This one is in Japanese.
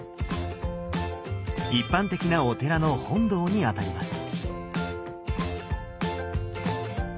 一般的なお寺の本堂にあたります。